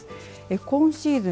今シーズン